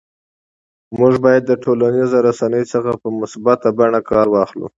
موږ باید د ټولنیزو رسنیو څخه په مثبته بڼه کار واخلو